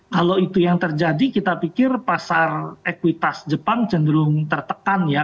kalau itu yang terjadi kita pikir pasar ekuitas jepang cenderung tertekan ya